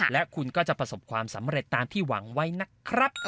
และคุณก็จะประสบความสำเร็จตามที่หวังไว้นะครับ